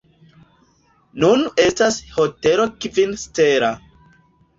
Nun estas Hotelo kvin stela.